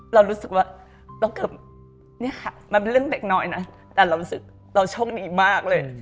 เรารู้สึกว่ามันเป็นเรื่องเด็กน้อยนะแต่เรารู้สึกเราโชคดีมากเลย